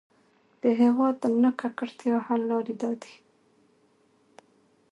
د هـوا د نـه ککـړتيا حـل لـارې دا دي: